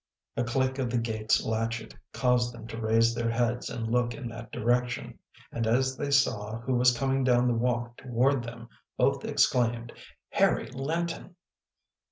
A click of the gate s latchet caused them to raise their heads and look in that direction, and as they saw who was coming down the walk toward them, both exclaimed :" Harry Linton